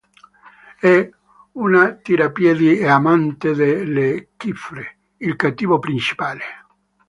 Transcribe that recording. È una tirapiedi e amante di Le Chiffre, il cattivo principale.